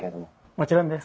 もちろんです。